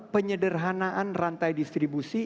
penyederhanaan rantai distribusi